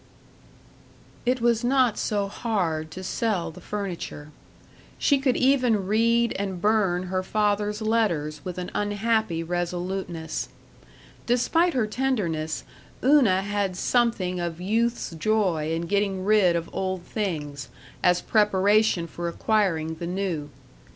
§ 3 It was not so hard to sell the furniture; she could even read and burn her father's letters with an unhappy resoluteness. Despite her tenderness, Una had something of youth's joy in getting rid of old things, as preparation for acquiring the new.